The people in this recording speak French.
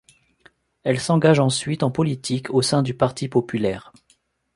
Elle s'engage ensuite en politique au sein du Parti populaire.